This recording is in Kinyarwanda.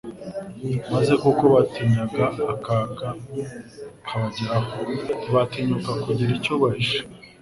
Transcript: maze kuko batinyaga akaga kabageraho, ntibatinyuka kugira icyo bahisha,